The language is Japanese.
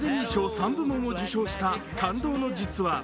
３部門を受賞した感動の実話